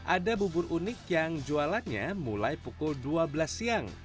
ada bubur unik yang jualannya mulai pukul dua belas siang